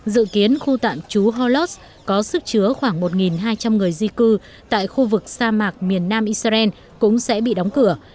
dự kiến khu tạm trú holos có sức chứa khoảng một hai trăm linh người di cư tại khu vực sa mạc miền nam israel cũng sẽ bị đóng cửa